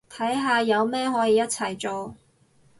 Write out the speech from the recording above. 睇下有咩可以一齊做